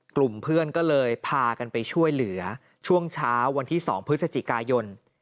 กลุ่มเพื่อนก็เลยพากันไปช่วยเหลือช่วงเช้าวันที่๒พฤศจิกายน